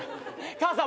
母さん！